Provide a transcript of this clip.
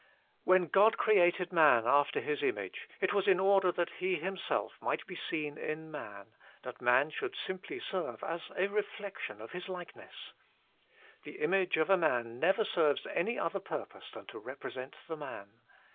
When God created man after His HOW IT COMES TO ITS MANIFESTATION 133 image, it was in order that He Himself might be seen in man, that man should simply serve as a reflection of His likeness. The image of a man never serves any other purpose than to represent the man.